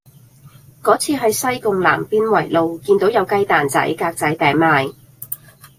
嗰次喺西貢南邊圍路見到有雞蛋仔格仔餅賣